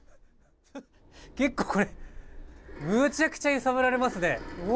結構これ、むちゃくちゃ揺さぶられますね。